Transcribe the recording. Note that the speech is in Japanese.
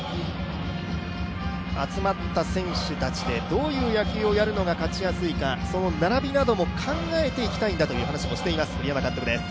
集まった選手たちでどういう野球をやるのが勝ちやすいか、その並びなども考えていきたいんだという話をしています、栗山監督です。